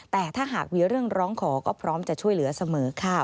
แต่ถ้าหากมีเรื่องร้องขอก็พร้อมจะช่วยเหลือเสมอค่ะ